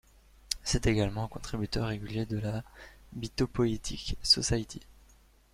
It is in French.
C'est également un contributeur régulier de la Mythopoeic Society.